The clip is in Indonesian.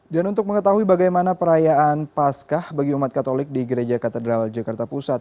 dan untuk mengetahui bagaimana perayaan paskah bagi umat katolik di gereja katedral jakarta pusat